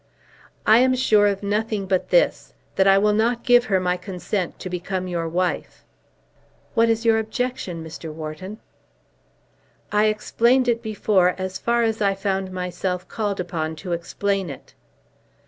"I am sure of nothing but of this; that I will not give her my consent to become your wife." "What is your objection, Mr. Wharton?" "I explained it before as far as I found myself called upon to explain it."